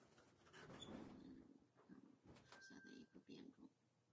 宽叶匐枝蓼为蓼科蓼属下的一个变种。